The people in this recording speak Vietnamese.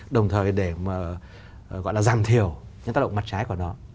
đồng thời để mà gọi là giảm thiểu những tác động mặt trái của nó